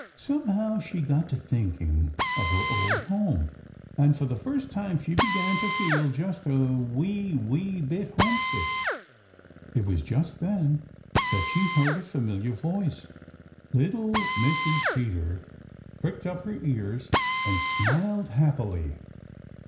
Somehow she got to thinking of her old home, and for the first time she began to feel just a wee, wee bit homesick. It was just then that she heard a familiar voice. Little Mrs. Peter pricked up her ears and smiled happily.